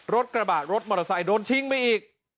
รถกระบาดรถมอเตอร์ไซค์โดนชิงไปอีก